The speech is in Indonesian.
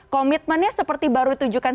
komitmennya seperti baru ditunjukkan